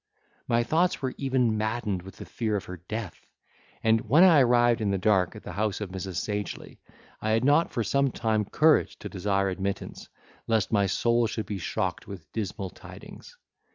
My thoughts were even maddened with the fear of her death; and, when I arrived in the dark at the house of Mrs. Sagely, I had not for some time courage to desire admittance, lest my soul should be shocked with dismal tidings.